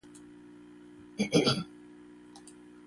An extension car park provides a Park and Ride facility.